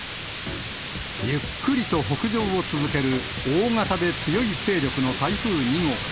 ゆっくりと北上を続ける大型で強い勢力の台風２号。